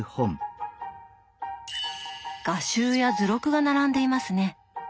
画集や図録が並んでいますね。